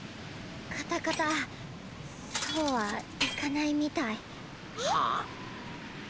カタカタそうはいかないみたい。はあ？